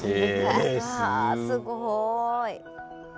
すごい。